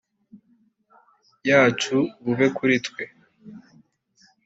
yacu bube kuri twe